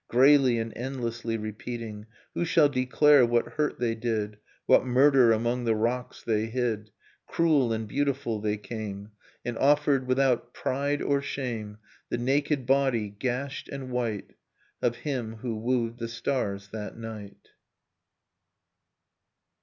Greyly and endlessly repeating ... Who shall declare what hurt they did, What murder among the rocks they hid? Cruel and beautiful they came; And offered, without pride or shame. The naked body, gashed and white. Of him who wooed the stars that night.